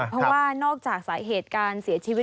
เพราะว่านอกจากสาเหตุการเสียชีวิต